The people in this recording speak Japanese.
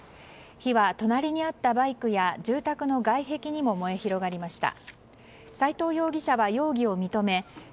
火は隣にあったバイクや住宅の外壁にも燃え広がりました。